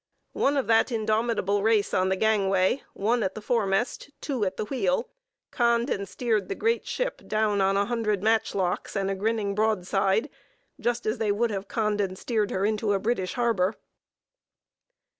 One of that indomitable race on the gangway, one at the foremast, two at the wheel, conned and steered the great ship down on a hundred matchlocks, and a grinning broadside, just as they would have conned and steered her into a British harbor.